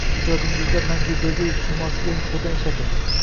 Ijodingizda Manguberdi siymosiga nisbatan islating.